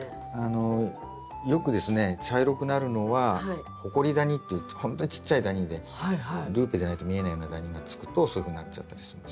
よくですね茶色くなるのはホコリダニっていってほんとにちっちゃいダニでルーペじゃないと見えないようなダニがつくとそういうふうになっちゃったりしますよね。